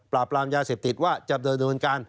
ปราบรามยาเสพติดว่าจะเดินดำเนินการ